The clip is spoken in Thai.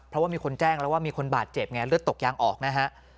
เพราะว่ามีคนแจ้งแล้วว่ามีคนบาดเจ็บไงเลือดตกยางออกนะฮะ